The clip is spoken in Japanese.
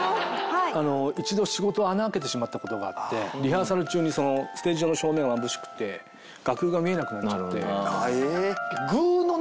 一度仕事を穴をあけてしまった事があってリハーサル中にステージ上の照明がまぶしくて楽譜が見えなくなっちゃって。